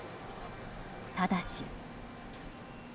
ただし。